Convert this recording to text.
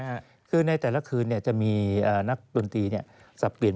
คือในแต่ละคืนเนี่ยจะมีนักดนตรีเนี่ยสับเปลี่ยน